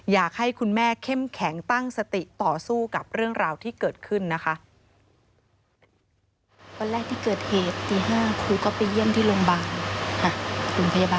อยากให้คุณแม่เข้มแข็งตั้งสติต่อสู้กับเรื่องราวที่เกิดขึ้นนะคะ